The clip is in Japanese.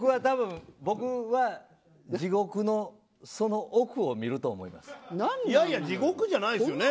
僕は地獄のその奥を見ると思います。